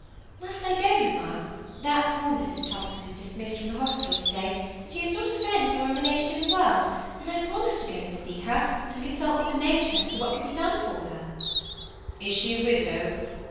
"Must I go, Mamma? That poor Mrs. Thomson is dismissed from the hospital to day, and she has not a friend nor a relation in the world, and I promised to go and see her, and consult with the matron as to what could be done for her." "Is she a widow?"